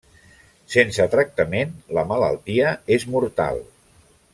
Sense tractament, la malaltia és mortal.